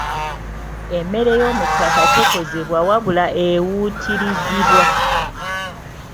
Emmere y'omu ttaka tekozebwa wabula ewuutirizibwa.